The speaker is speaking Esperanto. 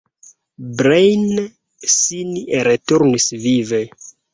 Breine sin returnis vive.